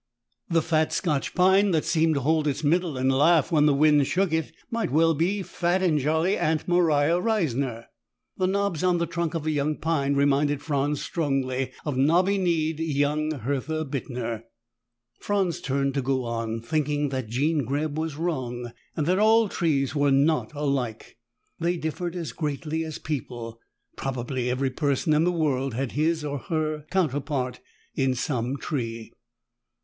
The fat scotch pine, that seemed to hold its middle and laugh when the wind shook it, might well be fat and jolly Aunt Maria Reissner. The knobs on the trunk of a young pine reminded Franz strongly of knobby kneed young Hertha Bittner. Franz turned to go on, thinking that Jean Greb was wrong and that all trees were not alike. They differed as greatly as people. Probably every person in the world had his or her counterpart in some tree.